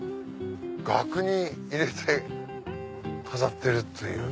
額に入れて飾ってるっていう。